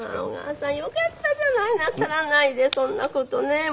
小川さんよかったじゃないなさらないでそんな事ね。